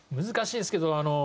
難しいですけど。